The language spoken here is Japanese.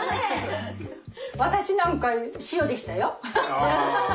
私なんか塩でしたよ。